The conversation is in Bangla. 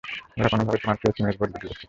ওরা কোনোভাবে তোমার ফেস ইমেজ বদলে দিয়েছে।